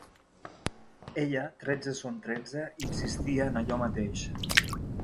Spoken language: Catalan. Ella, tretze són tretze, insistia en allò mateix.